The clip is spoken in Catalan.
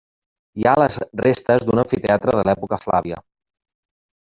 Hi ha les restes d'un amfiteatre de l'època flàvia.